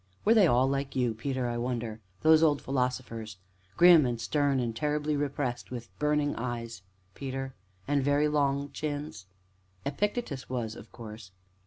"Were they all like you, Peter, I wonder those old philosophers, grim and stern, and terribly repressed, with burning eyes, Peter, and with very long chins? Epictetus was, of course!"